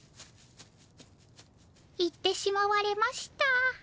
行ってしまわれました。